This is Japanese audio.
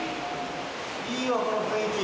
いいわこの雰囲気。